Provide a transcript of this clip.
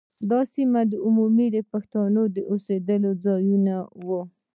دا سیمې عموماً د پښتنو د اوسېدو ځايونه وو.